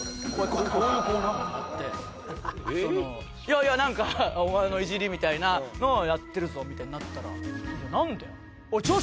「いやいやなんかお前のいじりみたいなのをやってるぞ」みたいになったら。